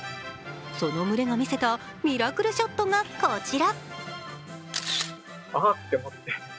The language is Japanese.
その群れが見せたミラクルショットがこちら。